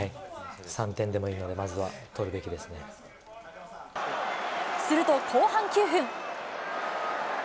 ３点でもいいので、まずは、すると後半９分。